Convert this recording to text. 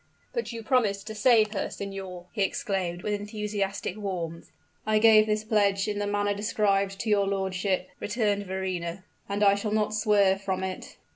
"But you promised to save her, signor!" he exclaimed, with enthusiastic warmth. "I gave this pledge in the manner described to your lordship," returned Verrina, "and I shall not swerve from it."